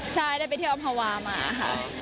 ใช่ได้ไปเที่ยวอำภาวามาค่ะ